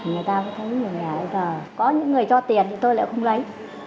người ta cũng thấy như là bây giờ có những người cho tiền thì tôi lại không lấy